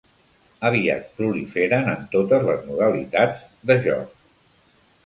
Aviat proliferen en totes les modalitats de joc.